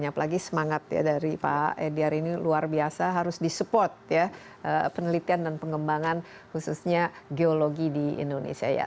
apalagi semangat ya dari pak edi ar ini luar biasa harus disupport ya penelitian dan pengembangan khususnya geologi di indonesia ya